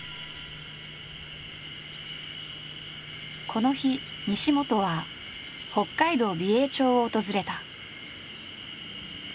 この日西本は北海道美瑛町を訪れた。